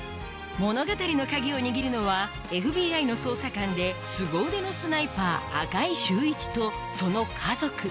物語の鍵を握るのはＦＢＩの捜査官ですご腕のスナイパー赤井秀一とその家族